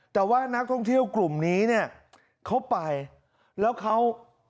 แต่ว่านักท่องเที่ยวกลุ่มนี้เนี่ยเขาไปแล้วเขา